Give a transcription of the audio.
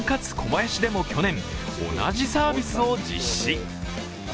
ばやしでも去年、同じサービスを実施。